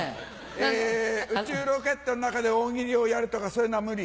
え宇宙ロケットん中で大喜利をやるとかそういうのは無理？